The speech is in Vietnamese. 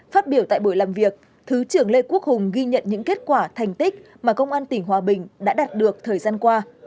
phát biểu tại buổi làm việc thứ trưởng lê quốc hùng ghi nhận những kết quả thành tích mà công an tỉnh hòa bình đã đạt được thời gian qua